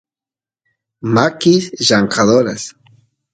makis llamkadoras